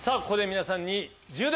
ここで皆さんに。